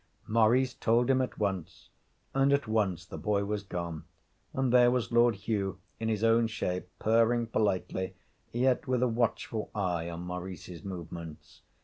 Maurice told him at once. And at once the boy was gone, and there was Lord Hugh in his own shape, purring politely, yet with a watchful eye on Maurice's movements.